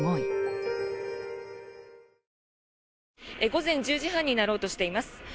午前１０時半になろうとしています。